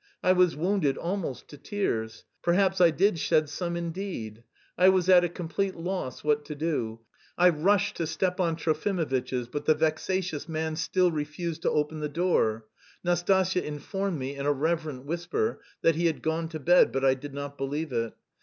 I was wounded almost to tears; perhaps I did shed some indeed. I was at a complete loss what to do. I rushed to Stepan Trofimovitch's, but the vexatious man still refused to open the door. Nastasya informed me, in a reverent whisper, that he had gone to bed, but I did not believe it.